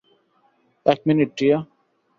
এক মিনিট, টিয়া।